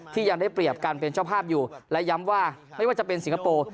ยังได้เปรียบการเป็นเจ้าภาพอยู่และย้ำว่าไม่ว่าจะเป็นสิงคโปร์